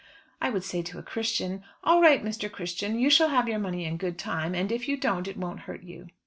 I would say to a Christian: 'All right, Mr. Christian, you shall have your money in good time, and if you don't it won't hurt you.'